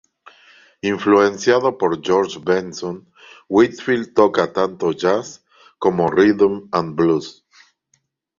Influenciado por George Benson, Whitfield toca tanto jazz como rhythm and blues.